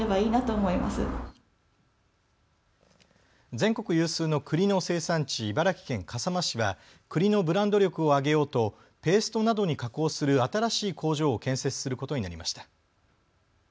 全国有数のくりの生産地、茨城県笠間市は、くりのブランド力を上げようとペーストなどに加工する新しい工場を建設することになりました。